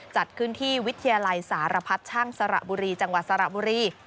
จัดขึ้นที่วิทยาลัยสารพัดช่างสระบุรีจังหวัดสระบุรี